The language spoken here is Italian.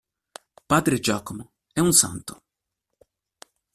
Padre Giacomo è un santo.